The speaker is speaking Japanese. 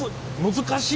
難しい！